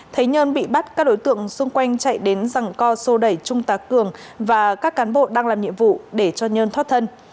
thấy nhơn bị bắt các đối tượng xung quanh chạy đến răng co sô đẩy trung tá cường và các cán bộ đang làm nhiệm vụ để cho nhân thoát thân